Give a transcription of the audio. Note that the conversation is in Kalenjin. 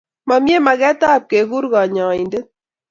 Mamie magetab kekur kanyaindet